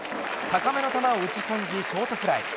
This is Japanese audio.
高めの球を打ちそんじ、ショートフライ。